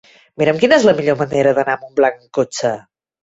Mira'm quina és la millor manera d'anar a Montblanc amb cotxe.